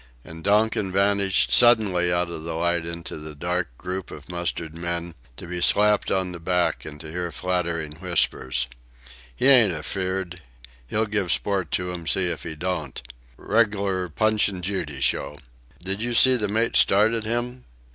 And Donkin vanished suddenly out of the light into the dark group of mustered men, to be slapped on the back and to hear flattering whispers: "He ain't afeard, he'll give sport to 'em, see if he don't.... Reg'lar Punch and Judy show.... Did ye see the mate start at him?...